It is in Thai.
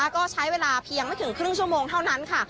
ก็ใช้เวลาเพียงไม่ถึงครึ่งชั่วโมงเท่านั้นค่ะ